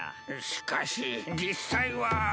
しかし実際は。